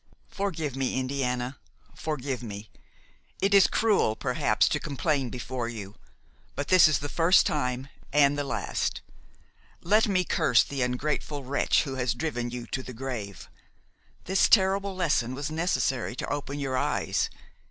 "Forgive me, Indiana, forgive me! it is cruel perhaps to complain before you, but this is the first time and the last; let me curse the ungrateful wretch who has driven you to the grave. This terrible lesson was necessary to open your eyes.